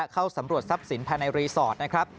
เข้าสำรวจทรัพย์สินภายในรีสอร์ทนะครับ